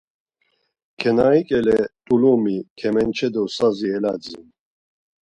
Kenari ǩele t̆ulumi, kemençe do sazi eladzin.